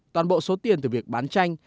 toàn bộ số tiền từ việc bán tranh